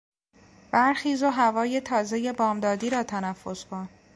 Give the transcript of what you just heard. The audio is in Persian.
برخیز و هوای تازهی بامدادی را تنفس کن!